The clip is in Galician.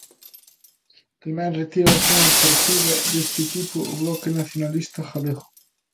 Tamén retira algunha partida deste tipo o Bloque Nacionalista Galego.